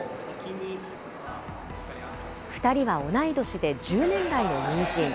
２人は同い年で１０年来の友人。